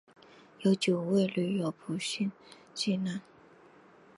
有九位旅客不幸罹难